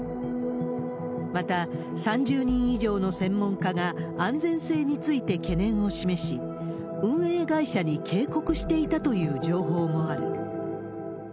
また、３０人以上の専門家が、安全性について懸念を示し、運営会社に警告していたという情報もある。